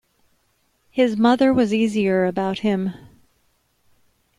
His mother was easier about him.